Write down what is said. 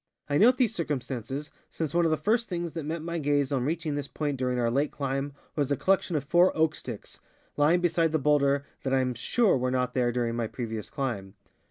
I note these circumstances, since one of the first things that met my gaze on reaching this point during our late climb was a collection of four oak sticks, lying beside the bowlder, that I am sure Avere not there during my previous climb.